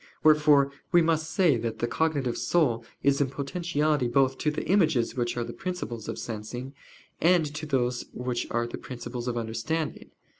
Wherefore we must say that the cognitive soul is in potentiality both to the images which are the principles of sensing, and to those which are the principles of understanding.